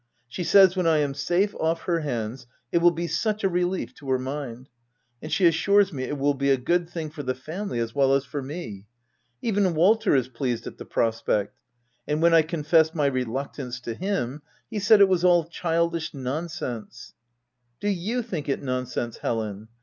She says when I am safe off her hands it will be such a relief to her mind ; and she assures me it will be a good thing for the family as well as for me. Even Walter is pleased at the pros pect, and when I confessed my reluctance to him, he said it was all childish nonsense. Do you think it nonsense, Helen?